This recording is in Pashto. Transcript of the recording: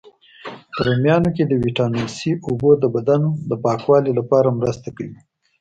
په رومیانو کی د ویټامین C، اوبو د بدن د پاکوالي لپاره مرسته کوي.